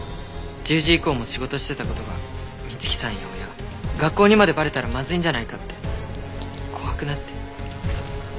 １０時以降も仕事してた事が美月さんや親学校にまでバレたらまずいんじゃないかって怖くなって。